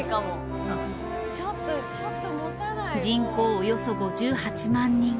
人口およそ５８万人。